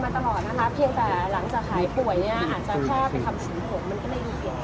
อาจจะแค่ทำสีผมมันก็ได้อยู่อย่างไร